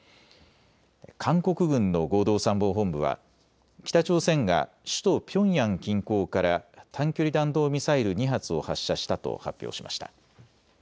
韓国軍の合同参謀本部は北朝鮮が首都ピョンヤン近郊から短距離弾道ミサイル２発を発射したと発表しました。